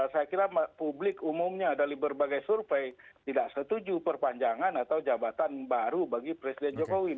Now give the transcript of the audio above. saya kira publik umumnya dari berbagai survei tidak setuju perpanjangan atau jabatan baru bagi presiden jokowi